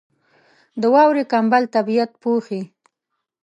• د واورې کمبل طبیعت پوښي.